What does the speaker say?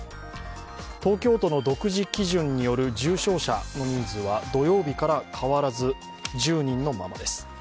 東京都の独自基準による重症者の人数は土曜日から変わらず１０人のままです。